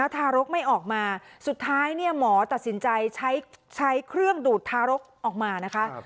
ทารกไม่ออกมาสุดท้ายหมอตัดสินใจใช้เครื่องดูดทารกออกมานะคะ